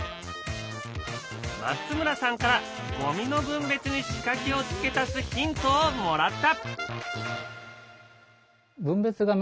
松村さんからゴミの分別に仕掛けを付け足すヒントをもらった！